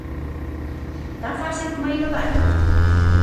Tan fácil coma ir ao baño?